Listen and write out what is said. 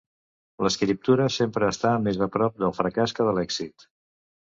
L'escriptura sempre està més a prop del fracàs que de l'èxit.